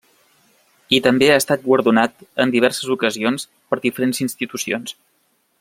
I també ha estat guardonat en diverses ocasions per diferents institucions.